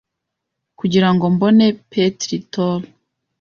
Kugira ngo mbone Petri Tor